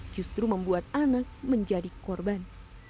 justru membuat anak menjadi korban